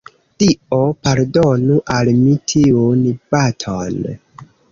Dio pardonu al mi tiun baton!